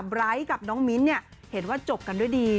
ไร้กับน้องมิ้นเห็นว่าจบกันด้วยดี